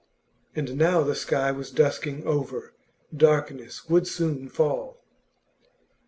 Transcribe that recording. And now the sky was dusking over; darkness would soon fall.